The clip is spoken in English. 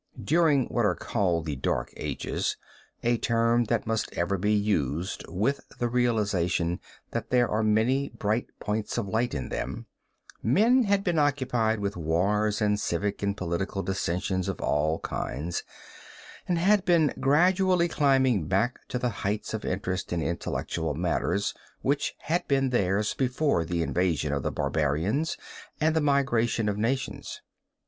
During what are called the Dark Ages, a term that must ever be used with the realization that there are many bright points of light in them, men had been occupied with wars and civic and political dissensions of all kinds, and had been gradually climbing back to the heights of interest in intellectual matters which had been theirs before the invasion of the barbarians and the migration of nations.